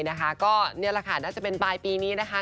นี่แหละก็นี่แหละค่ะน่าจะเป็นปลายปีนี้นะคะ